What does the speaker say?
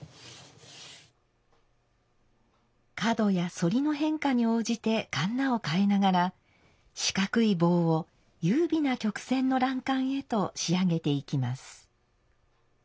角や反りの変化に応じてかんなを替えながら四角い棒を優美な曲線の欄干へと仕上げていきます。